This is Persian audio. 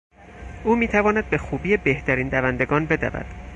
او میتواند به خوبی بهترین دوندگان بدود.